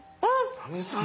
奈美さん。